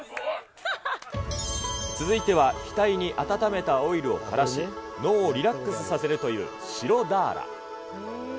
続いては額に温めたオイルをたらし、脳をリラックスさせるという、シロダーラ。